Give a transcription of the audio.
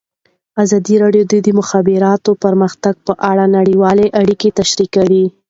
ازادي راډیو د د مخابراتو پرمختګ په اړه نړیوالې اړیکې تشریح کړي.